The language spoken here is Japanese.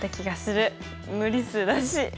無理数だし。